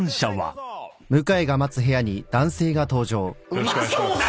よろしくお願いします。